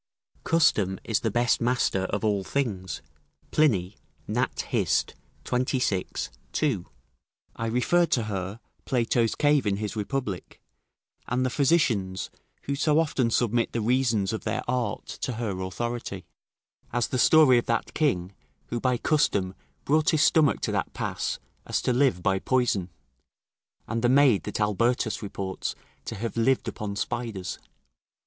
["Custom is the best master of all things." Pliny, Nat. Hist.,xxvi. 2.] I refer to her Plato's cave in his Republic, and the physicians, who so often submit the reasons of their art to her authority; as the story of that king, who by custom brought his stomach to that pass, as to live by poison, and the maid that Albertus reports to have lived upon spiders.